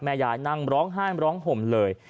ยายนั่งร้องไห้ร้องห่มเลย